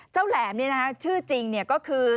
เจ้าแหลมนี่นะคะชื่อจริงเนี่ยก็คือ